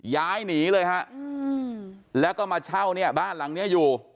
ย้ายหนีเลยฮะแล้วก็มาเช่าเนี่ยบ้านหลังนี้อยู่